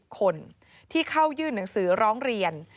คนที่เข้ายื่นหนังสือร้องเรียน